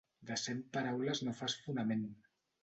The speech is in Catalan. De cent paraules no fas fonament.